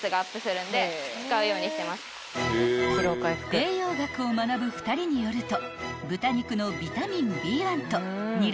［栄養学を学ぶ２人によると］